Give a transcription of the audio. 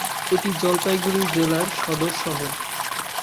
এটি জলপাইগুড়ি জেলার সদর শহর।